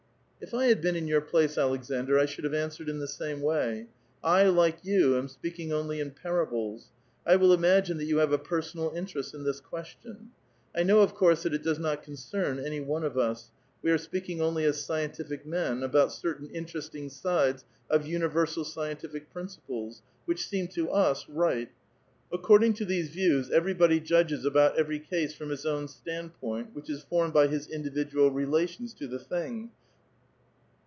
^^If I had been in your place, Aleksandr, I should have answered in the same way ; I, like you, am speaking only in parables ; I will imagine that you have a personal interest in this question. I know of course that it does not concern any one of us ; we are speaking only as scientific men about certain interesting sides of universal scientific principles, which seem to us right ; according to these views, ever3'body judges about every case from his own standpoint, which is formed by his in<lividual relations to the thing.